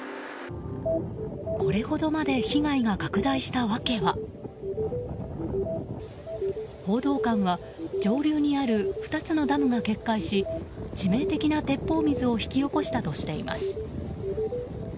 これほどまで被害が拡大した訳は報道官は上流にある２つのダムが決壊し致命的な鉄砲水を引き起こしたとしています。